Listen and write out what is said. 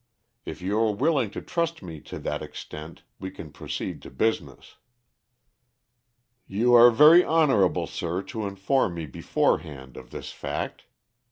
If you are willing to trust me to that extent, we can proceed to business." "You are very honorable, sir, to inform me, beforehand, of this fact.